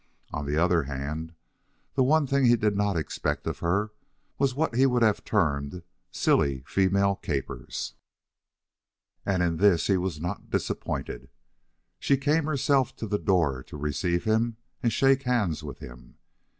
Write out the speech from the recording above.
On the other hand, the one thing he did not expect of her was what he would have termed "silly female capers." And in this he was not disappointed. She came herself to the door to receive him and shake hands with him.